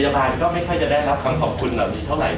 พยาบาลก็ไม่ค่อยจะได้รับความขอบคุณแบบนี้เท่าไหร่ด้วย